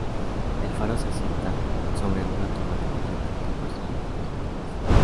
El faro se asienta sobre una tumba que contiene objetos personales de las víctimas.